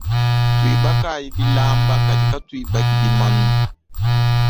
Tuibakayi bilaamba kadi katuibaki bimanu.